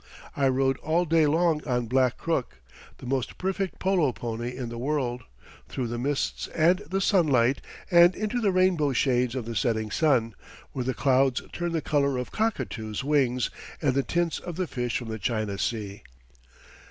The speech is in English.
I rode all day long on Black Crook, the most perfect polo pony in the world, through the mists and the sunlight and into the rainbow shades of the setting sun, where the clouds turned the colour of cockatoos' wings and the tints of the fish from the China Sea.